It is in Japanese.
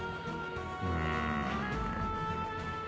うん。